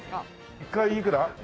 １回いくら？